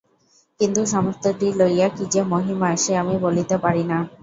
কিন্তু, সমস্তটি লইয়া কী যে মহিমা সে আমি বলিতে পারি না।